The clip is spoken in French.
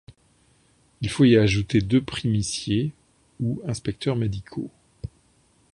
Il faut y ajouter deux primiciers, ou inspecteurs médicaux.